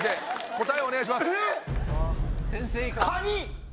答えをお願いします。